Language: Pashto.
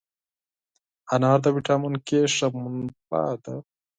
انار د ویټامین K ښه منبع ده.